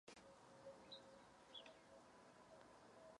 Následující seznam je kompletním výčtem abatyší Tereziánského ústavu.